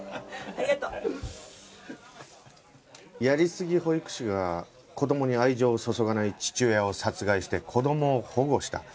やりすぎ保育士が子供に愛情を注がない父親を殺害して子供を保護した。